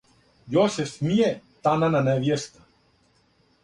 Још се смије танана невјеста,